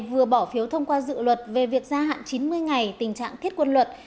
vừa bỏ phiếu thông qua dự luật về việc gia hạn chín mươi ngày tình trạng thiết quân luật